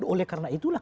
oleh karena itulah